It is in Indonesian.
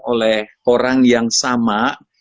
oleh orang yang sama